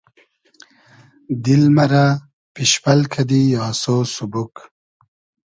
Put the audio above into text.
دیل مئرۂ پیشپئل کئدی آسۉ سوبوگ